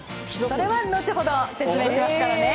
それは後ほど説明しますからね。